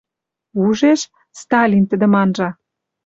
Ужеш: Сталин тӹдӹм анжа.